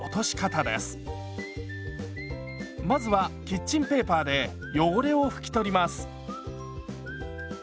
まずはキッチンペーパーで汚れを拭き取ります。